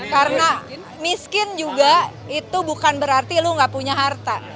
karena miskin juga itu bukan berarti lu enggak punya harta